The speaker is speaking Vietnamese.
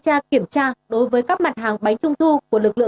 dạ đúng rồi bán bánh trung thu mini